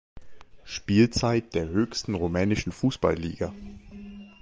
Spielzeit der höchsten rumänischen Fußballliga.